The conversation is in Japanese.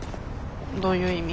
どういう意味？